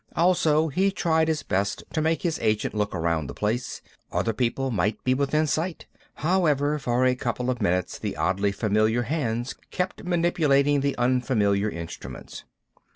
Also, he tried his best to make his agent look around the place. Other people might be within sight. However, for a couple of minutes the oddly familiar hands kept manipulating the unfamiliar instruments.